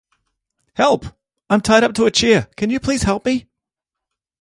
Help!! I'm tied up to a chair, can you please help me?